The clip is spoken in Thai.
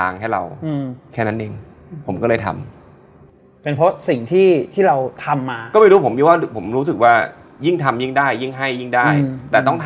ในขณะที่อากาศมันดีมากเลยนะพี่แต่